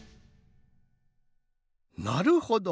なるほど。